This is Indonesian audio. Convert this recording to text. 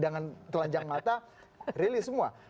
dengan telanjang mata rilis semua